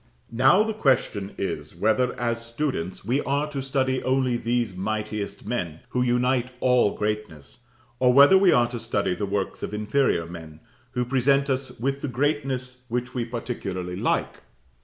Now the question is, whether, as students, we are to study only these mightiest men, who unite all greatness, or whether we are to study the works of inferior men, who present us with the greatness which we particularly like?